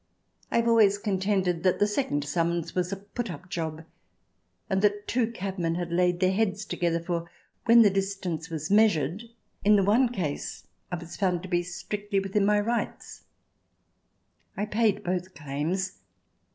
I have always contended that the second summons was a put up job, and that two cabmen had laid their heads together, for when the distance was measured, in the one case I was found to be strictly CH. XI] LANDGRAFIN AND CONFESSOR 157 within my rights. I paid both claims.